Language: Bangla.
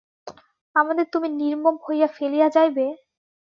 আমাদের তুমি নির্মম হইয়া ফেলিয়া যাইবে?